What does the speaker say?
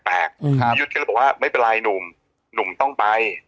พี่ยุทธ์ก็เลยบอกว่าไม่เป็นไรหนุ่มหนุ่มต้องไป